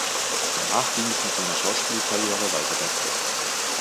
Danach ging es mit seiner Schauspielkarriere weiter bergauf.